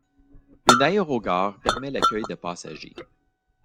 Une aérogare permet l'accueil des passagers.